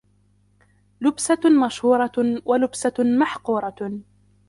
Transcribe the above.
لُبْسَةٌ مَشْهُورَةٌ وَلُبْسَةٌ مَحْقُورَةٌ